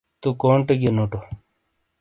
تو کونٹے گئیے نوٹو۔